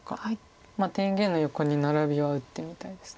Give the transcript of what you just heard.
天元の横にナラビは打ってみたいです。